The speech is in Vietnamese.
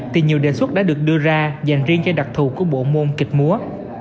thì nhiều đề xuất đã được đưa ra dành riêng cho đặc thù của bộ môn kịch múa